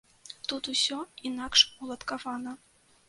Тут усё інакш уладкавана.